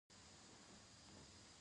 نورستان د افغانستان د سیلګرۍ برخه ده.